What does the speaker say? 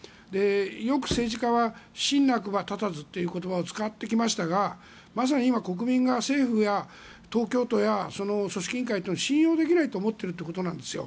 よく政治家は信なくば立たずという言葉を使ってきましたがまさに今、国民が政府や東京都や組織委員会を信用できないと思っているということなんですよ。